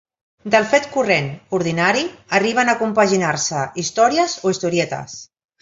Del fet corrent, ordinari, arriben a compaginar-se històries o historietes.